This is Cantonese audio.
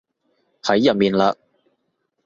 喺入面嘞